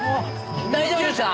大丈夫ですか？